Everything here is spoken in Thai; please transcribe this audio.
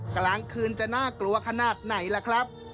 กลางคืนจะน่ากลัวขนาดไหนล่ะครับ